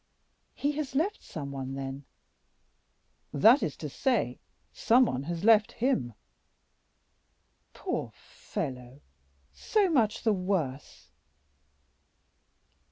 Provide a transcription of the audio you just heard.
"He has left some one, then?" "That is to say, some one has left him." "Poor fellow! so much the worse!"